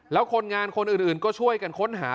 แล้วคนงานคนอื่นก็ช่วยกันค้นหา